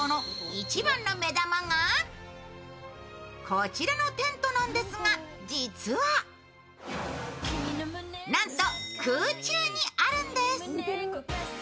こちらのテントなんですが、実は、なんと空中にあるんです。